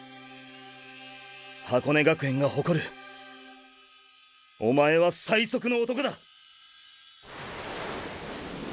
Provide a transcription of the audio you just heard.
箱根学園が誇るおまえは最速の男だ！！